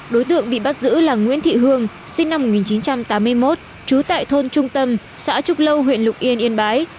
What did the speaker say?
đối tượng bị bắt giữ là nguyễn thị hương sinh năm một nghìn chín trăm tám mươi một trú tại thôn trung tâm xã trúc lâu huyện lục yên yên bái